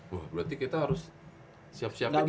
wah berarti kita harus siap siapnya gimana